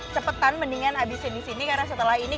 cepetan mendingan habisin disini karena setelah ini